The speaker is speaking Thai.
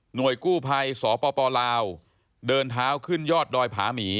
โดยกู้ภัยสปลาวเดินเท้าขึ้นยอดดอยผาหมี